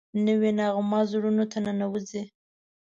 نوې نغمه زړونو ته ننوځي